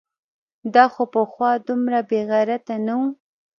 دا خو پخوا دومره بېغیرته نه و؟!